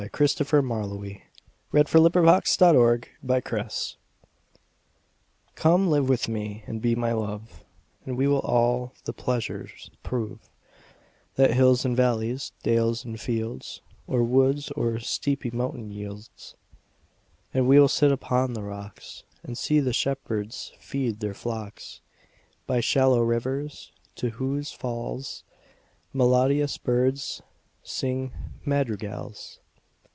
Christopher Marlowe. 1564–93 121. The Passionate Shepherd to His Love COME live with me and be my Love, And we will all the pleasures prove That hills and valleys, dales and fields, Or woods or steepy mountain yields. And we will sit upon the rocks, 5 And see the shepherds feed their flocks By shallow rivers, to whose falls Melodious birds sing madrigals.